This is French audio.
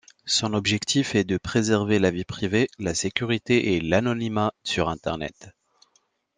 Son objectif est de préserver la vie privée, la sécurité et l'anonymat sur Internet.